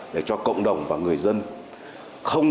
để cho cộng đồng và người dân